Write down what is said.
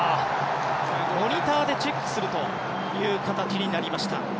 モニターでチェックするという形になりました。